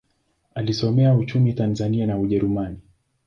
Alisomea uchumi Tanzania na Ujerumani.